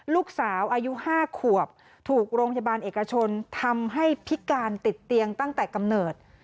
ลูกสาวอายุ๕ขวบถูกโรงพยาบาลเอกชนทำให้พิการติดเตียงตั้งแต่กำเนิด